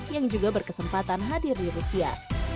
yang juga berkesempatan hadir di rusia